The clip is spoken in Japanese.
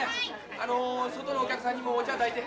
外のお客さんにもお茶出いて。